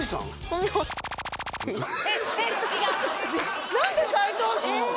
本名全然違う何で斎藤なの？